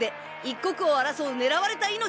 一刻を争う狙われた命！